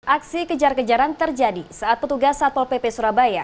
aksi kejar kejaran terjadi saat petugas satpol pp surabaya